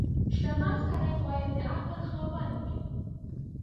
• شتمن سړی باید د عقل خاوند وي.